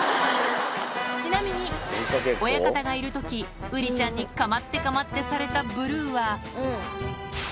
ちなみに、親方がいるとき、ウリちゃんにかまってかまってされたブルーは。